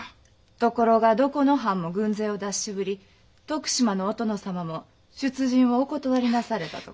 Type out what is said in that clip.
ところがどこの藩も軍勢を出し渋り徳島のお殿様も出陣をお断りなされたとか。